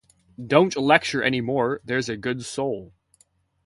Don't lecture any more, there's a good soul!